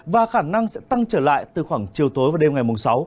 và khả năng sẽ tăng trở lại từ khoảng chiều tối và đêm ngày sáu